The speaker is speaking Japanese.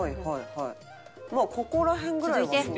まあここら辺ぐらいは。